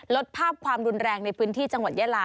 ลดภาพความรุนแรงในพื้นที่จังหวัดยาลา